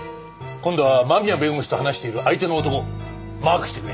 今度は間宮弁護士と話している相手の男マークしてくれ。